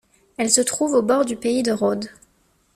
Elle se trouve aux bord du Pays de Rhode.